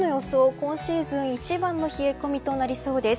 今シーズン一番の冷え込みとなりそうです。